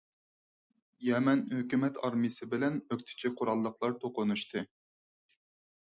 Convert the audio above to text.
يەمەن ھۆكۈمەت ئارمىيەسى بىلەن ئۆكتىچى قوراللىقلار توقۇنۇشتى.